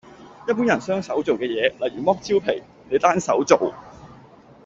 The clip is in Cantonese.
一般人雙手做嘅嘢，例如剝蕉皮，你單手做